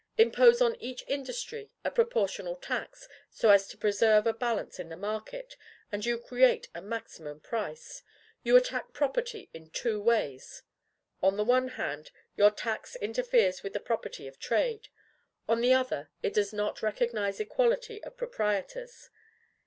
Impose on each industry a proportional tax, so as to preserve a balance in the market, and you create a MAXIMUM PRICE, you attack property in two ways. On the one hand, your tax interferes with the liberty of trade; on the other, it does not recognize equality of proprietors.